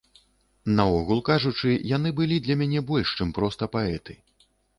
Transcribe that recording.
Наогул кажучы, яны былі для мяне больш, чым проста паэты.